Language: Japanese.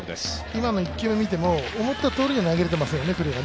今の１球を見ても、九里は思ったように投げれていますよね。